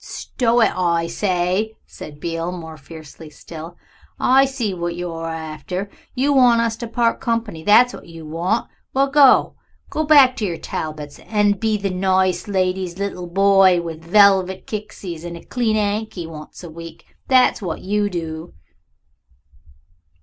"Stow it, I say!" said Beale, more fiercely still. "I see what you're after; you want us to part company, that's what you want. Well, go. Go back to yer old Talbots and be the nice lady's little boy with velvet kicksies and a clean anky once a week. That's what you do."